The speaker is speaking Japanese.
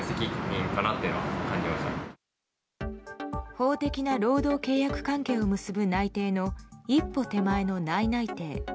法的な労働契約関係を結ぶ内定の一歩手前の内々定。